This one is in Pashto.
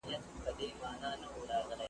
نن سبا به ګورو عدالت د نړۍ څه وايي .